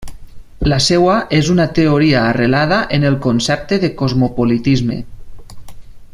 La seua és una teoria arrelada en el concepte de cosmopolitisme.